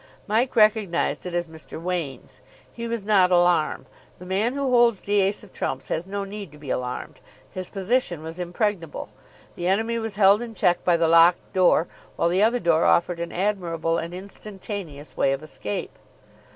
Mike recognised it as Mr. Wain's. He was not alarmed. The man who holds the ace of trumps has no need to be alarmed. His position was impregnable. The enemy was held in check by the locked door, while the other door offered an admirable and instantaneous way of escape.